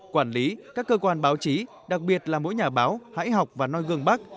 quản lý các cơ quan báo chí đặc biệt là mỗi nhà báo hãi học và noi gương bắc